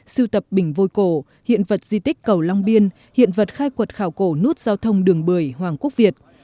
sưu tập bình vôi cổ hiện vật di tích cầu long biên hiện vật khai quật khảo cổ nút giao thông đường bưởi hoàng quốc việt